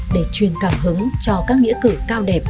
để truyền cảm hứng cho các nghĩa cử cao đẹp